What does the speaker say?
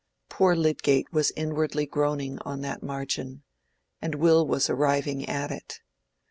Poor Lydgate was inwardly groaning on that margin, and Will was arriving at it.